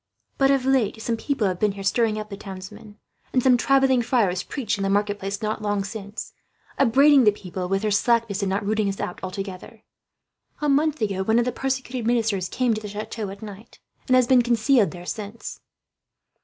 But of late some people have been here, stirring up the townsmen; and some travelling friars preached in the marketplace, not long since, upbraiding the people with their slackness in not rooting us out altogether. "A month ago, one of the persecuted ministers came to the chateau at night, and has been concealed there since.